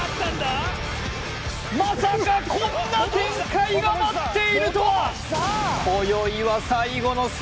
まさかこんな展開が待っているとは！